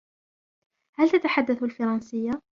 هل تتحدث الفرنسية ؟